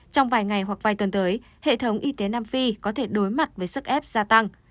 trong vài ngày hoặc vài tuần tới hệ thống y tế nam phi có thể đối mặt với sức ép gia tăng